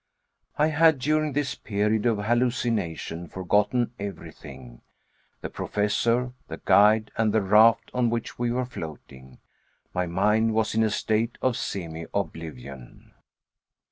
I had during this period of hallucination forgotten everything the Professor, the guide, and the raft on which we were floating. My mind was in a state of semioblivion.